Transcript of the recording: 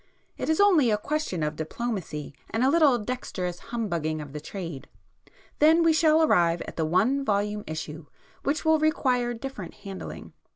It is only a question of diplomacy and a little dexterous humbugging of the trade. Then we shall arrive at the one volume issue, which will require different handling.